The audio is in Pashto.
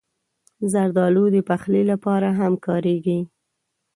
زردالو د پخلي لپاره هم کارېږي.